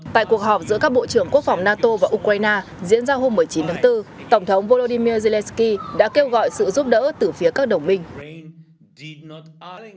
tại cuộc họp giữa các bộ trưởng quốc phòng nato và ukraine diễn ra hôm một mươi chín tháng bốn tổng thống volodymyr zelensky đã kêu gọi sự giúp đỡ từ phía các đồng minh